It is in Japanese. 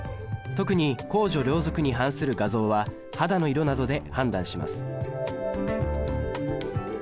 特に公序良俗に反する画像は肌の色などで判断します